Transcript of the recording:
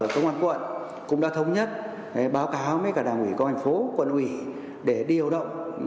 công an quận cũng đã thống nhất báo cáo với cả đảng ủy công an phố quận ủy để điều động